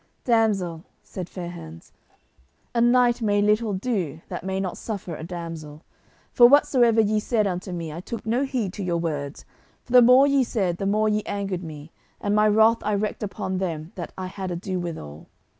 "Damsel," said Fair hands, "a knight may little do that may not suffer a damsel, for whatsoever ye said unto me I took no heed to your words, for the more ye said the more ye angered me, and my wrath I wreaked upon them that I had ado withal.